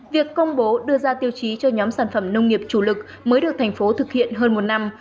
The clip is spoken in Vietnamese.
việc công bố đưa ra tiêu chí cho nhóm sản phẩm nông nghiệp chủ lực mới được thành phố thực hiện hơn một năm